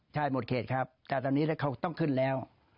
ใช่หมดเขตครับการตอนนี้ต้องเข้าขึ้นแล้ว